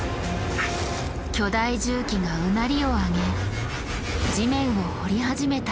巨大重機がうなりをあげ地面を掘り始めた。